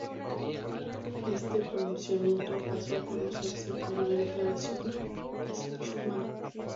Este pronunciamiento pasó a conocerse como la Declaración Schuman.